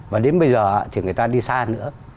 và đến bây giờ thì người ta đi xa nữa